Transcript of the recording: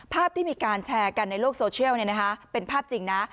ภาพที่มีการแชร์กันในโลกโซเชียลเป็นภาพจริงนะ